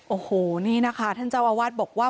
โอ้โหท่านเจ้าอาวาสบอกว่า